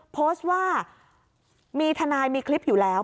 โพสต์ว่ามีทนายมีคลิปอยู่แล้ว